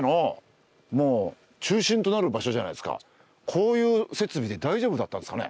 こういう設備で大丈夫だったんですかね？